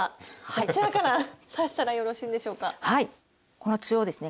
この中央ですね